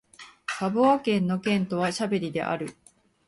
サヴォワ県の県都はシャンベリである